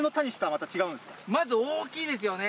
まず大きいですよね。